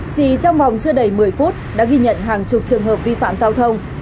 chỉ trong vòng chưa đầy một mươi phút đã ghi nhận hàng chục trường hợp vi phạm giao thông